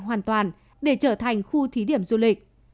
hoàn toàn để trở thành khu thí điểm du lịch